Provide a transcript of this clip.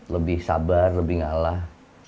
lebih sabar lebih ngalah